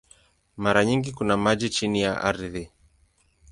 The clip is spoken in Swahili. Mara nyingi kuna maji chini ya ardhi.